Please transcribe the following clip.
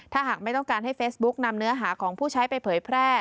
ถ้าหากไม่ต้องการให้เฟซบุ๊กนำเนื้อหาของผู้ใช้ไปเผยแพร่